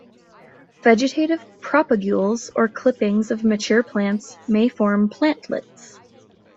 Vegetative propagules or clippings of mature plants may form plantlets.